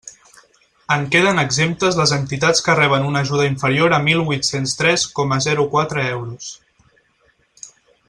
En queden exemptes les entitats que reben una ajuda inferior a mil huit-cents tres coma zero quatre euros.